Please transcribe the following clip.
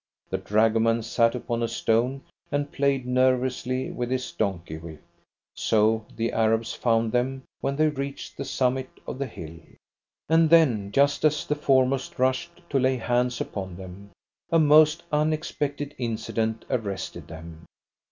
The dragoman sat upon a stone and played nervously with his donkey whip. So the Arabs found them when they reached the summit of the hill. And then, just as the foremost rushed to lay hands upon them, a most unexpected incident arrested them.